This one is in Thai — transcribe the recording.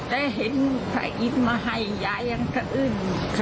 ได้เห็นพระอิทธิ์มาให้ยายยังสะอื้น